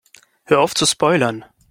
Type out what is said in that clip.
Hör auf zu spoilern!